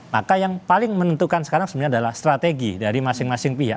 maka yang paling menentukan sekarang sebenarnya adalah strategi dari masing masing pihak